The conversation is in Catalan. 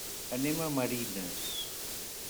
Anem a Marines.